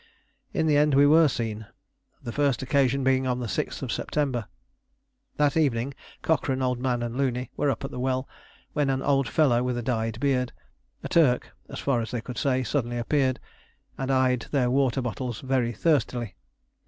In the end we were seen, the first occasion being on the 6th September. That evening, Cochrane, Old Man, and Looney were up at the well, when an old fellow with a dyed beard a Turk, as far as they could say suddenly appeared, and eyed their water bottles very thirstily.